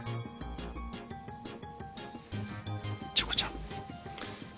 チョコちゃん。